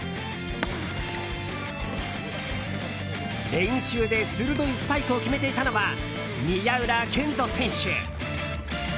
練習で鋭いスパイクを決めていたのは宮浦健人選手。